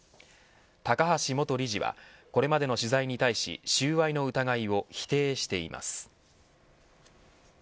高橋元理事はこれまでの取材に対し収賄の疑いを否定しています。